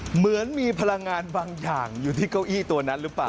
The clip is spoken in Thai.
เหมือนมีพลังงานบางอย่างอยู่ที่เก้าอี้ตัวนั้นหรือเปล่า